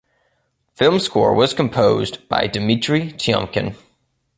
Film score was composed by Dimitri Tiomkin.